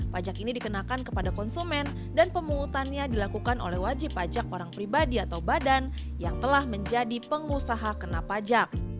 pajak ini dikenakan kepada konsumen dan pemungutannya dilakukan oleh wajib pajak orang pribadi atau badan yang telah menjadi pengusaha kena pajak